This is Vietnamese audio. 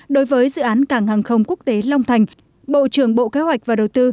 đối với dự án cảng hàng không quốc tế long thành bộ trưởng bộ kế hoạch và đầu tư